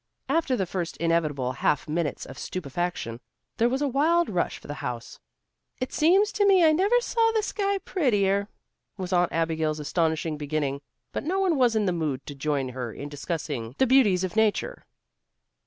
After the first inevitable half minutes of stupefaction, there was a wild rush for the house. "It seems to me I never saw the sky prettier," was Aunt Abigail's astonishing beginning. But no one was in the mood to join her in discussing the beauties of nature.